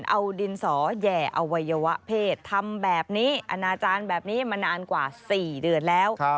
เอาดินสอแหย่อวัยวะเพศทำแบบนี้อนาจารย์แบบนี้มานานกว่า๔เดือนแล้ว